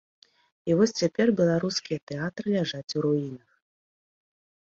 І вось цяпер беларускія тэатры ляжаць у руінах.